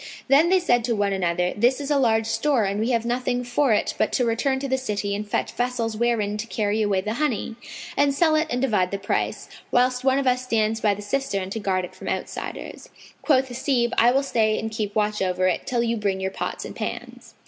[FN#510] Then said they to one another, "This is a large store and we have nothing for it but to return to the city and fetch vessels wherein to carry away the honey, and sell it and divide the price, whilst one of us stands by the cistern, to guard it from outsiders." Quoth Hasib, "I will stay and keep watch over it till you bring your pots and pans."